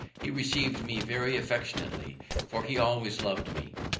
He received me very affectionately, for he always lov'd me.